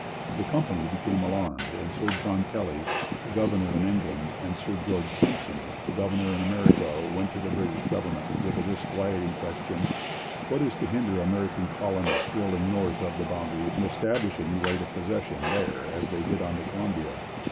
The company became alarmed; and Sir John Pelly, the governor in England, and Sir George Simpson, the governor in America, went to the British government with the disquieting question: What is to hinder American colonists rolling north of the boundary and establishing right of possession there as they did on the Columbia?